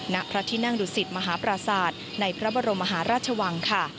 ณพระทินั่งรุศิษฐ์มหาประสาทในพระบรมมหาราชวังค่ะ